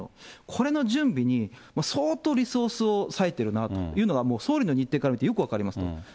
これの準備に相当、リソースを割いてるなっていうのが、もう総理の日程から見るとよく分かります。